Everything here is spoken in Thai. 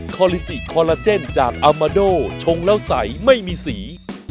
คอลิจิคอลลาเจนจากอามาโดชงแล้วใสไม่มีสี